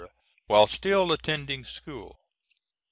while still attending school.